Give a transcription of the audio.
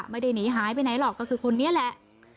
ไม่ได้หนีหายไปไหนหรอกก็คือคนนี้แหละ